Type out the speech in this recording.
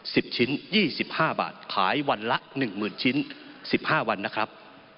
สิบชิ้นยี่สิบห้าบาทขายวันละหนึ่งหมื่นชิ้นสิบห้าวันนะครับ